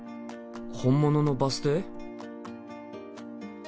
本物のバス停？